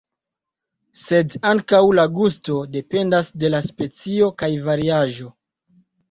Sed ankaŭ la gusto dependas de la specio kaj variaĵo.